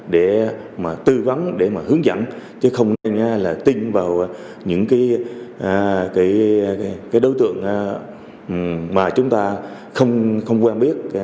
để mà tư vấn để mà hướng dẫn chứ không nên là tin vào những cái đối tượng mà chúng ta không quen biết